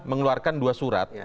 mengeluarkan dua surat